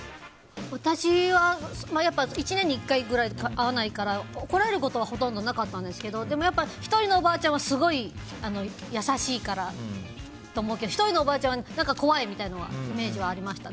私は、１年に１回くらいしか会わないから怒られることはほとんどなかったんですけどでも、１人のおばあちゃんはすごい優しいからと思うけど１人のおばあちゃんは怖いみたいなイメージはありました。